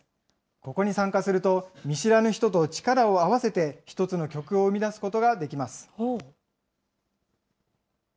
ここに参加すると、見知らぬ人と力を合わせて１つの曲を生み出すことができます。